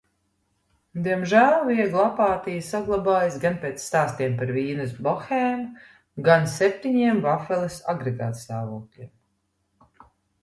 Diemžēl viegla apātija saglabājās gan pēc stāstiem par Vīnes bohēmu, gan septiņiem vafeles agregātstāvokļiem.